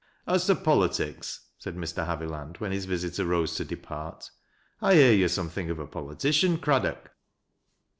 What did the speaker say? " As to politics," said Mr. Haviland, when his visitor rose to depart, " I hear you are something of a politician, Craddock."